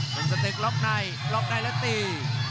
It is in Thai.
เป็นสตึกล็อกในล็อกในแล้วตี